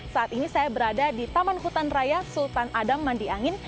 saat ini saya berada di taman hutan raya sultan adam mandi angin